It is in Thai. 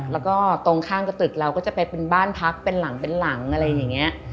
แล้วก็ตรงข้างก็ตึกเราก็จะเป็นบ้านพักเป็นหลังอะไรอย่างนี้